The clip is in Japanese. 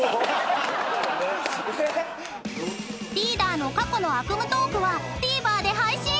［リーダーの過去の悪夢トークはＴＶｅｒで配信］